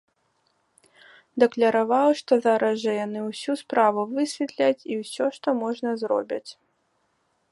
Дакляраваў, што зараз жа яны ўсю справу высветляць і ўсё, што можна, зробяць.